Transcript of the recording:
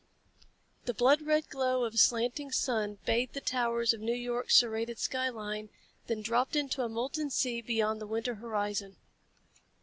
_] The blood red glow of a slanting sun bathed the towers of New York's serrated skyline, then dropped into a molten sea beyond the winter horizon.